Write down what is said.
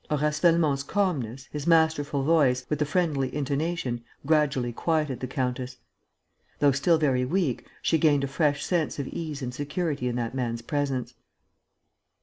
Horace Velmont's calmness, his masterful voice, with the friendly intonation, gradually quieted the countess. Though still very weak, she gained a fresh sense of ease and security in that man's presence.